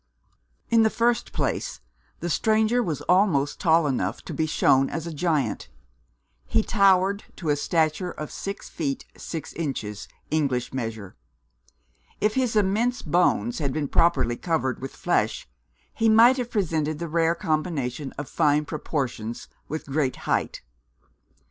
In the first place, the stranger was almost tall enough to be shown as a giant; he towered to a stature of six feet six inches, English measure. If his immense bones had been properly covered with flesh, he might have presented the rare combination of fine proportions with great height.